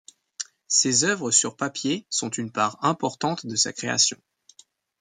Ses œuvres sur papier sont une part importante de sa création.